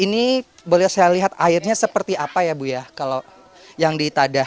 ini boleh saya lihat airnya seperti apa ya bu ya kalau yang di tadah